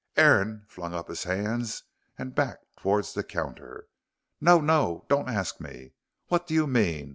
Aaron flung up his hands and backed towards the counter. "No, no. Don't ask me. What do you mean?